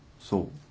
そう。